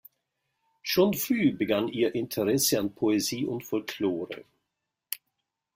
Schon früh begann ihr Interesse an Poesie und Folklore.